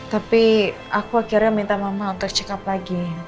tapi aku akhirnya minta mama untuk check up lagi